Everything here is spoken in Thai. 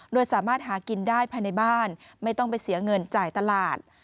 โดยสามารถหากินได้ภายในบ้านไม่ต้องไปเสียเงินจ่ายตลาด